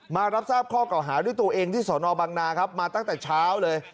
มารับทราบข้อเก่าหาด้วยตัวเองที่สอนอบังนาครับมาตั้งแต่เช้าเลย